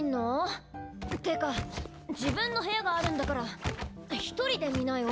てか自分の部屋があるんだから１人で見なよ。